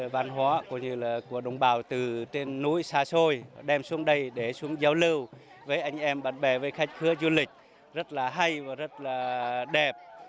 văn hóa của đồng bào từ trên núi xa xôi đem xuống đây để xuống giáo lưu với anh em bạn bè với khách khứa du lịch rất là hay và rất là đẹp